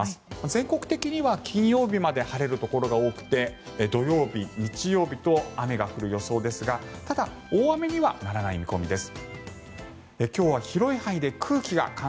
全国的には金曜日まで晴れるところが多くて土曜日、日曜日と雨が降る予想ですがただ、大雨にはならない見込みです。